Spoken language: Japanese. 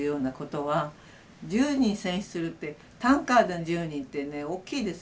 １０人戦死するってタンカーでの１０人ってね大きいですよ。